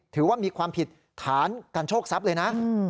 ถือว่ามีความผิดฐานการโชคทรัพย์เลยนะ